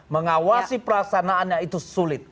mengawasi perasaanannya itu sulit